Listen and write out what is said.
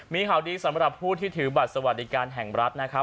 มีข่าวดีสำหรับผู้ที่ถือบัตรสวัสดิการแห่งรัฐนะครับ